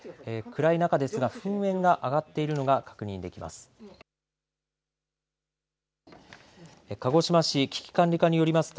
暗い中ですが噴煙が上がっているのが確認できます。